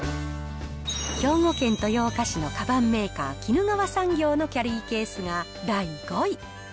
兵庫県豊岡市のかばんメーカー、衣川産業のキャリーケースが第５位。